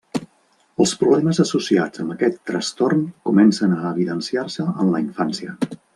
Els problemes associats amb aquest trastorn comencen a evidenciar-se en la infància.